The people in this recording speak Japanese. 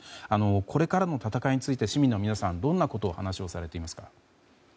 これからの戦いについて市民の皆さんはどんなことを話されていますか。